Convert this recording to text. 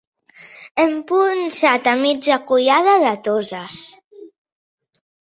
Hem punxat a mitja collada de Toses.